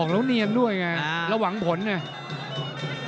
อ๋อแล้วเนียมด้วยไงระหว่างผลเนี่ย